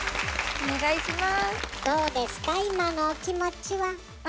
お願いします！